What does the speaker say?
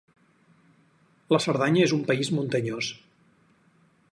La Cerdanya és un país muntanyós.